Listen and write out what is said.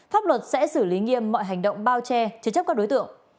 pháp luật sẽ xử lý nghiêm mọi hành động bao che chế chấp các đối tượng